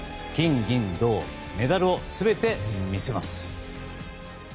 金、銀、銅メダルを全て見せます。